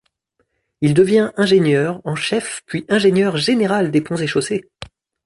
Il devient ingénieur en chef puis ingénieur général des ponts et chaussées.